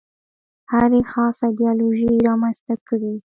هرې خاصه ایدیالوژي رامنځته کړې.